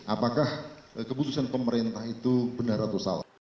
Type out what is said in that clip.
apakah keputusan pemerintah itu benar atau salah